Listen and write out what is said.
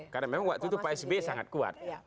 karena memang waktu itu psb sangat kuat